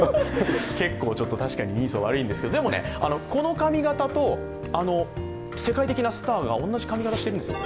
結構確かに人相悪いんですけど、でも、この髪形と世界的なスターが同じ髪形しているんですよ。